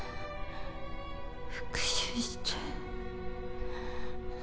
復讐して